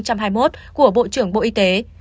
của bộ trưởng bộ y tế